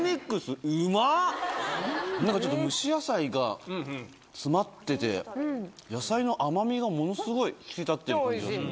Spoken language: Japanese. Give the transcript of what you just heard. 何か蒸し野菜が詰まってて野菜の甘みがものすごい引き立ってる感じ。